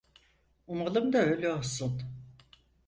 Umalım da öyle olsun.